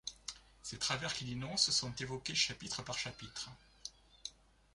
Ces travers qu'il dénonce sont évoqués chapitre par chapitre.